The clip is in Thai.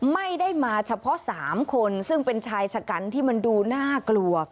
ไม่ได้มาเฉพาะ๓คนซึ่งเป็นชายชะกันที่มันดูน่ากลัว